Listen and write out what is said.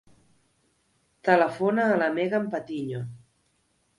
Telefona a la Megan Patiño.